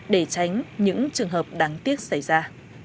để tránh những trường hợp đáng tiếc xảy ra